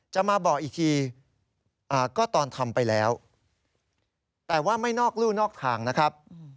จะมาบอกอีกทีก็ตอนทำไปแล้วแต่ว่าไม่นอกลู่นอกทางนะครับ